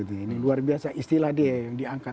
ini luar biasa istilah dia yang diangkat